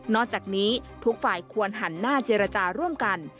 จากนี้ทุกฝ่ายควรหันหน้าเจรจาร่วมกัน